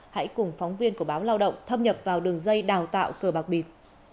hãy cùng phóng viên của báo lao động thâm nhập vào đường dây đào tạo cờ bạc bịp